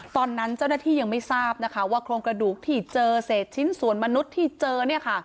ตอนนั้นเจ้าหน้าที่ยังไม่ทราบนะคะว่าโครงกระดูกที่เจอเศษชิ้นส่วนมนุษย์ที่เจอเนี่ยค่ะ